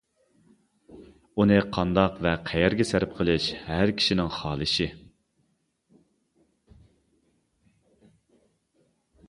ئۇنى قانداق ۋە قەيەرگە سەرپ قىلىش ھەر كىشىنىڭ خالىشى.